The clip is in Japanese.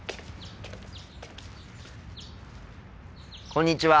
こんにちは。